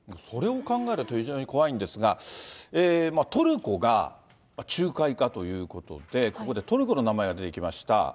それを考えると非常に怖いんですが、トルコが仲介かということで、ここでトルコの名前が出てきました。